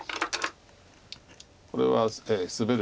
これはスベる。